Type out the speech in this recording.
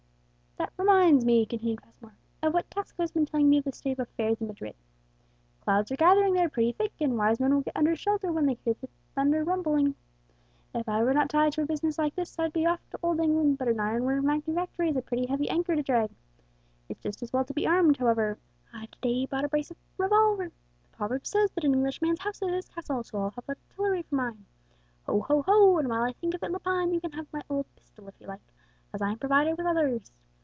That reminds me," continued Passmore, "of what Tasco has been telling me of the state of affairs in Madrid. Clouds are gathering there pretty thick, and wise men will get under shelter when they hear the thunder rumbling. If I were not tied to a business like this, I'd be off to old England; but an ironware manufactory is a pretty heavy anchor to drag. It's just as well to be armed, however; I've to day bought a brace of revolvers. The proverb says that an Englishman's house is his castle, so I'll have artillery for mine. Ho, ho, ho! And while I think of it, Lepine, you can have my old pistol if you like, as I am provided with others."